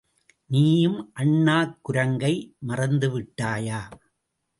நீயும் அண்ணாக் குரங்கை மறந்துவிட்டாயா!